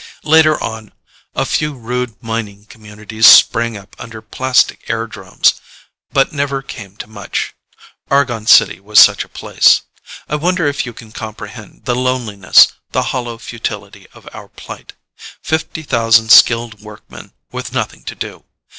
Later on, a few rude mining communities sprang up under plastic airdromes, but never came to much. Argon City was such a place. I wonder if you can comprehend the loneliness, the hollow futility of our plight. Fifty thousand skilled workmen with nothing to do.